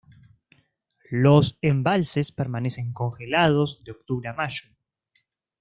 Los embalses permanecen congelados de octubre a mayo.